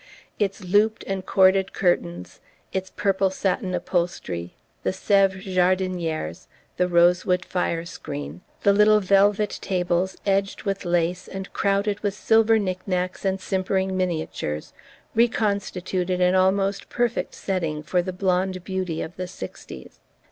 Its looped and corded curtains, its purple satin upholstery, the Sevres jardinieres, the rosewood fire screen, the little velvet tables edged with lace and crowded with silver knick knacks and simpering miniatures, reconstituted an almost perfect setting for the blonde beauty of the 'sixties.